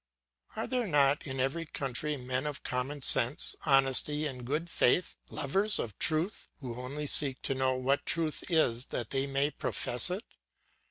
Are there not, in every country, men of common sense, honesty, and good faith, lovers of truth, who only seek to know what truth is that they may profess it?